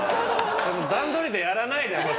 段取りでやらないで。